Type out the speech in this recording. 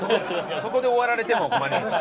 そこで終わられても困ります。